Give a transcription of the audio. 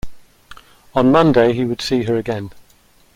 On Monday he would see her again.